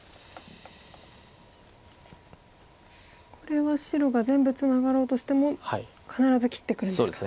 これは白が全部ツナがろうとしても必ず切ってくるんですか。